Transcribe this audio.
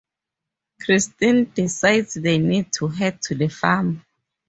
Christine decides they need to head to the farm.